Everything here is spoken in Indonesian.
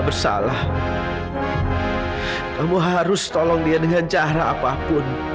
papa tenang aja pak